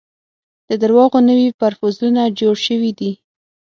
د درواغو نوي پرفوزلونه جوړ شوي دي.